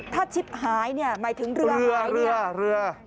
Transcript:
ถ้าชิบหายเนี่ยหมายถึงเรือหายเนี่ย